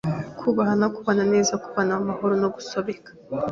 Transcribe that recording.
kubahana, kubana neza, kubana mu mahoro no gusobeka